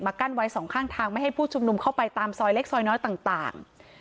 กั้นไว้สองข้างทางไม่ให้ผู้ชุมนุมเข้าไปตามซอยเล็กซอยน้อยต่าง